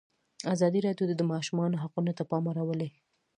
ازادي راډیو د د ماشومانو حقونه ته پام اړولی.